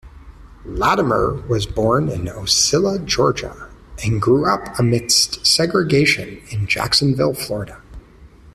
Latimer was born in Ocilla, Georgia, and grew up amidst segregation in Jacksonville, Florida.